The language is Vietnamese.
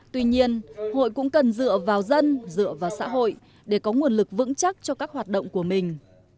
tuy nhiên hội cũng cần dựa vào dân dựa vào xã hội để có nguồn lực vững chắc cho các hoạt động của mình